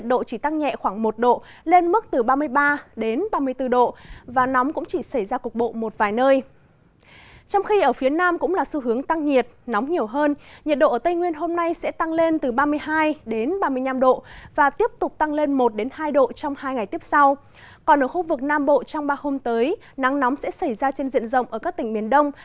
còn ở khu vực nam bộ trong ba hôm tới nắng nóng sẽ xảy ra trên diện rộng ở các tỉnh miền đông